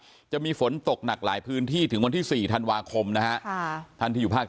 จะมีฝนตกหนักหลายพื้นที่ถึงวันที่๔ธันวาคมนะฮะค่ะท่านที่อยู่ภาค